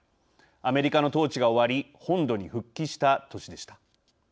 アメリカの統治が終わり本土に復帰した年でした。